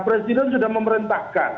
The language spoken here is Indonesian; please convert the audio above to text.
presiden sudah memerintahkan